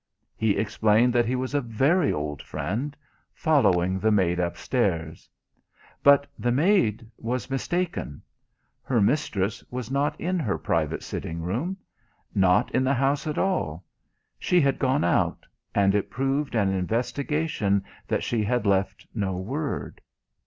He explained that he was a very old friend, following the maid upstairs. But the maid was mistaken; her mistress was not in her private sitting room; not in the house at all she had gone out, and it proved on investigation that she had left no word.